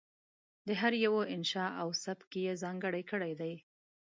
د هر یوه انشأ او سبک یې ځانګړی کړی دی.